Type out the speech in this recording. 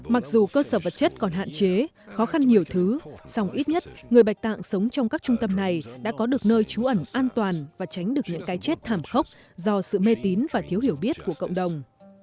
mặc dù cơ sở vật chất còn hạn chế khó khăn nhiều thứ song ít nhất người bạch tạng sống trong các trung tâm này đã có được nơi trú ẩn an toàn và tránh được những cái chết thảm khốc do sự mê tín và thiếu hiểu biết của cộng đồng